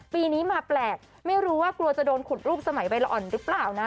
ปีนี้มาแปลกไม่รู้ว่ากลัวจะโดนขุดรูปสมัยใบละอ่อนหรือเปล่านะ